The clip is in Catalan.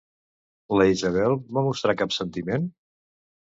La Isabel va mostrar cap sentiment?